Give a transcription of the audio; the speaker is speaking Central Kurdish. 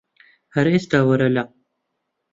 هەر ئیستا وەرە لام